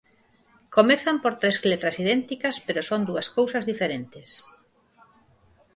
Comezan por tres letras idénticas, pero son dúas cousas diferentes.